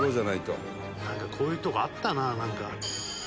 「こういうとこあったななんか」